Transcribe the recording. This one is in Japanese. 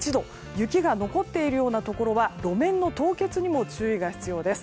雪が残っているようなところは路面の凍結にも注意が必要です。